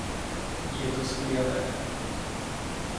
Je to skvělé.